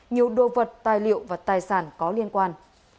nhiều đồ vật tài liệu và tài sản có liên quan